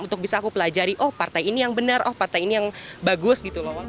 untuk bisa aku pelajari oh partai ini yang benar oh partai ini yang bagus gitu loh bang